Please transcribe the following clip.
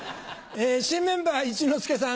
新メンバー一之輔さん